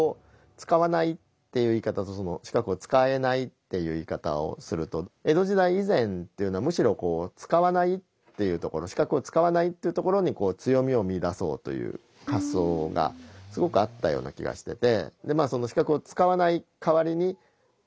っていう言い方をすると江戸時代以前っていうのはむしろ使わないっていうところ視覚を使わないっていうところに強みを見いだそうという発想がすごくあったような気がしてて。